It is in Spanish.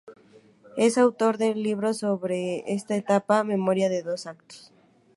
Es autor de un libro sobre esa etapa: "Memoria en dos actos.